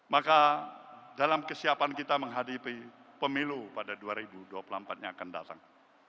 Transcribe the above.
maka dalam kesiapan kita menghadapi pemilu pada dua ribu dua puluh empat yang akan datang